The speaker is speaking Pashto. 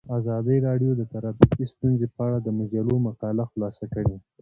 ازادي راډیو د ټرافیکي ستونزې په اړه د مجلو مقالو خلاصه کړې.